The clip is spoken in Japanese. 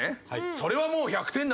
それはもう１００点だろうと。